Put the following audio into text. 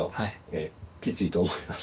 ええきついと思います